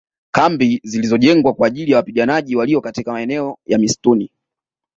Kambi zilizojengwa kwa ajili ya wapiganaji walio katika maeneo ya msituni